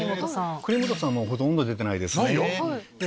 国本さんほとんど出てないですね。